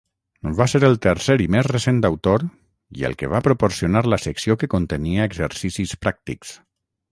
Va ser el tercer i més recent autor i el que va proporcionar la secció que contenia exercicis pràctics.